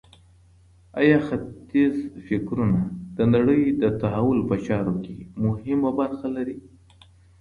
آیا ختیځه فکرونه د نړۍ د تحول په چارو کي مهمه برخه لري؟